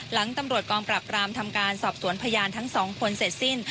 หลังตำรวจกองปรับรามทำการสอบสวนพยานทั้งสองคนเสร็จสิ้น